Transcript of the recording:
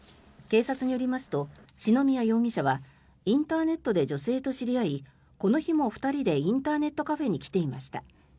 警察によりますと篠宮容疑者はインターネットで女性と知り合いこの日も２人でインターネットカフェに来ていました。